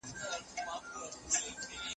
د مشرۍ بار دروند دی.